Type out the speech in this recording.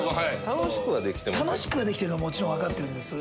楽しくはできてるのもちろん分かってるんです。